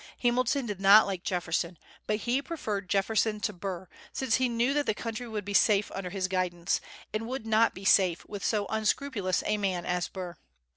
Hamilton did not like Jefferson, but he preferred Jefferson to Burr, since he knew that the country would be safe under his guidance, and would not be safe with so unscrupulous a man as Burr.